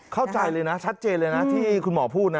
เข้าใจเลยนะชัดเจนเลยนะที่คุณหมอพูดนะ